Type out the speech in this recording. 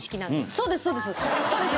そうですそうです。